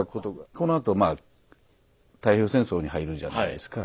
このあとまあ太平洋戦争に入るじゃないですか。